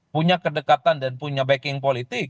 punya kedekatan dan punya backing politik